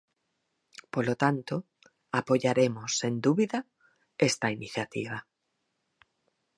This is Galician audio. Polo tanto, apoiaremos, sen dúbida, esta iniciativa.